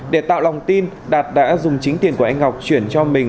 để tạo lòng tin đạt đã dùng chính tiền của anh ngọc chuyển cho mình